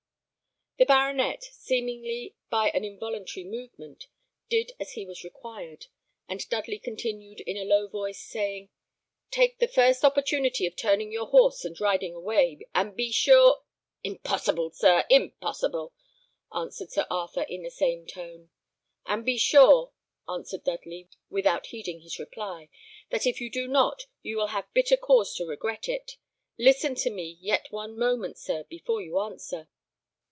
The baronet, seemingly by an involuntary movement, did as he was required; and Dudley continued, in a low voice, saying, "Take the first opportunity of turning your horse and riding away; and be sure " "Impossible, sir, impossible!" answered Sir Arthur, in the same tone. "And be sure," continued Dudley, without heeding his reply, "that if you do not, you will have bitter cause to regret it. Listen to me yet one moment, sir, before you answer."